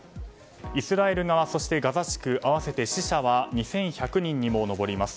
イスラエル側、そしてガザ地区合わせて死者は２１０２人にも上ります。